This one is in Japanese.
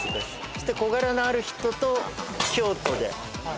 そして小柄なある人と京都で戦った。